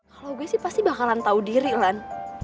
kalau gue sih pasti bakalan tahu diri kan